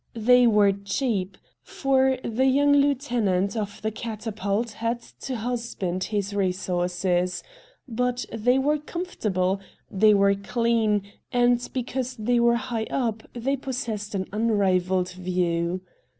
They were cheap, for the young lieutenant of the ' Catapult ' had to husband liis resources ; but they were comfortable, they were clean, and because they were high up they possessed an unrivalled view.